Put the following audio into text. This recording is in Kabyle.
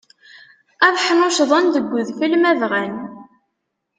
Ad ḥnuccḍen deg udfel ma bɣan.